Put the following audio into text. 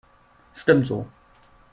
Stimmt so.